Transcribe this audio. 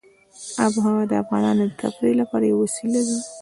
آب وهوا د افغانانو د تفریح لپاره یوه وسیله ده.